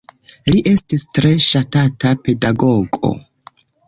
Li estis tre ŝatata pedagogo.